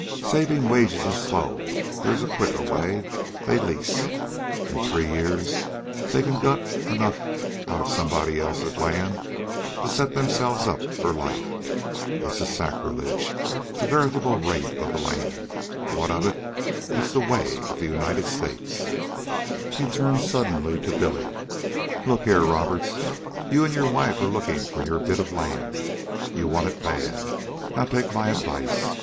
Saving wages is slow. There is a quicker way. They lease. In three years they can gut enough out of somebody else's land to set themselves up for life. It is sacrilege, a veritable rape of the land; but what of it? It's the way of the United States." He turned suddenly on Billy. "Look here, Roberts. You and your wife are looking for your bit of land. You want it bad. Now take my advice.